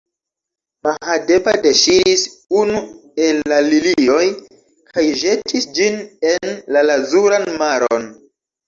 Mahadeva deŝiris unu el la lilioj kaj ĵetis ĝin en la lazuran maron.